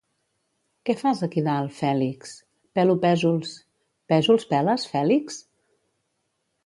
—Què fas aquí dalt, Fèlix? —Pelo Pèsols. —Pèsols peles, Fèlix?